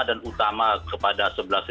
dan utama kepada sebelas empat puluh lima